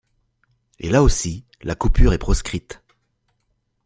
Et là aussi, la coupure est proscrite.